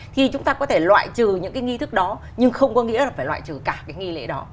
thì chúng ta có thể loại trừ những cái nghi thức đó nhưng không có nghĩa là phải loại trừ cả cái nghi lễ đó